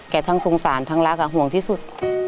ทั้งสงสารทั้งรักห่วงที่สุด